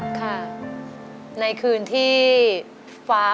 ทั้งในเรื่องของการทำงานเคยทำนานแล้วเกิดปัญหาน้อย